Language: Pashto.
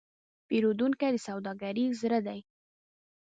پیرودونکی د سوداګرۍ زړه دی.